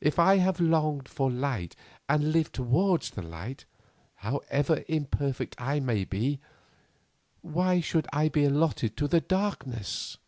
If I have longed for light and lived towards the light, however imperfect I may be, why should I be allotted to the darkness?"